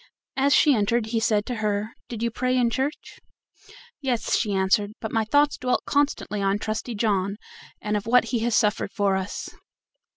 As she entered he said to her: "Did you pray in church?" "Yes," she answered, "but my thoughts dwelt constantly on Trusty John, and of what he has suffered for us."